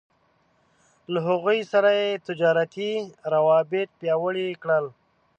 له هغوی سره يې تجارتي روابط پياوړي کړل.